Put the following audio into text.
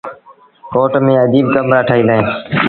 ڪوٽ ميݩ اجيٚب ڪمرآ ٺهيٚل اوهيݩ ۔